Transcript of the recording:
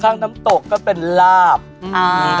ทั้งลาบเป็นซุปเหล่าไกล